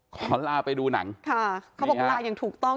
ขอลาไปดูหนังค่ะเขาบอกลาอย่างถูกต้อง